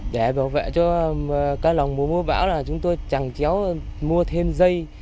để bảo vệ cho cá lồng mùa mưa bão là chúng tôi chẳng chéo mua thêm dây